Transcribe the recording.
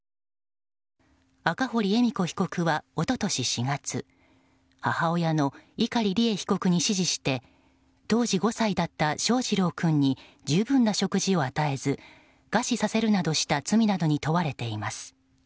赤堀恵美子被告は一昨年４月母親の碇利恵被告に指示して当時５歳だった翔士郎君に十分な食事を与えず餓死させるなどした罪などに問われています。